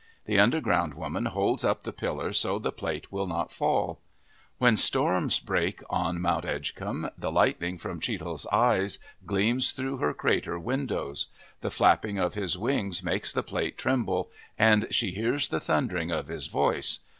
The Underground Woman holds up the pillar so the plate will not fall. When storms break on Mount Edgecomb, the lightning from Chethl's eyes gleams through her crater windows. The flapping of his wings makes the plate tremble, and she hears the thundering of his voice.